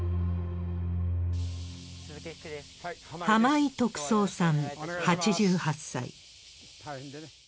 浜井徳三さん８８歳。